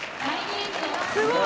すごい！